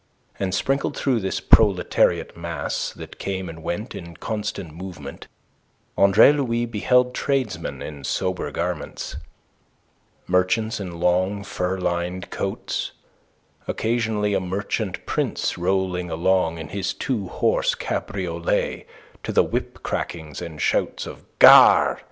And, sprinkled through this proletariat mass that came and went in constant movement, Andre Louis beheld tradesmen in sober garments, merchants in long, fur lined coats; occasionally a merchant prince rolling along in his two horse cabriolet to the whip crackings and shouts of "Gare!"